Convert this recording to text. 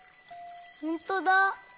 ほんとだ！